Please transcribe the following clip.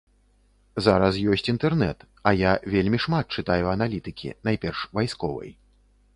Зараз ёсць інтэрнэт, а я вельмі шмат чытаю аналітыкі, найперш вайсковай.